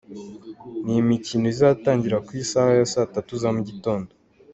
Ni imikino izatangira ku isaha ya saa tatu za mu gitondo.